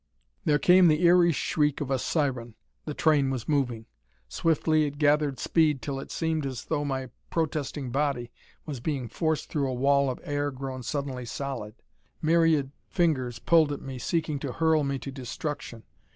There came the eery shriek of a siren: the train was moving. Swiftly it gathered speed till it seemed as though my protesting body was being forced through a wall of air grown suddenly solid. Myriad fingers pulled at me, seeking to hurl me to destruction.